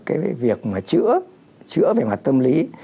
cái việc mà chữa chữa về mặt tâm lý